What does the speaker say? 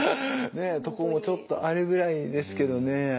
とこもちょっとあるぐらいですけどね。